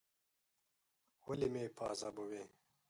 ولي مې په عذابوې ؟